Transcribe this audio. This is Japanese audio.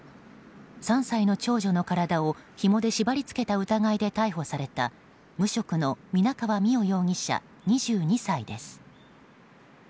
３歳の長女の体をひもで縛りつけた疑いで逮捕された無職の皆川美桜容疑者２２歳です。